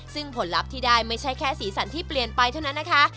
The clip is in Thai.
ซึ่งผลลัพธ์ที่ได้ไม่ใช่แค่สีสันที่เปลี่ยนไปเท่านั้นนะคะ